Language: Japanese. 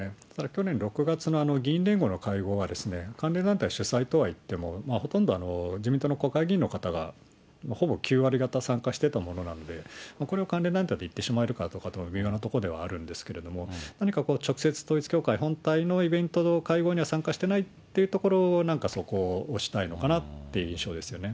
去年６月の議員連合の会合は、関連団体主催とはいっても、ほとんど自民党の国会議員の方がほぼ９割方参加していたものなんで、これを関連団体といってしまえるかどうか、微妙なところではあるんですけれども、何か直接、統一教会本体のイベント会合には参加してないというところを、そこを押したいのかなという印象ですね。